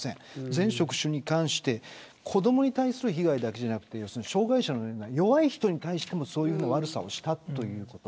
全職種に関して子どもに対する被害だけではなく障害者のような弱い人に対してもそういう悪さをしたということ。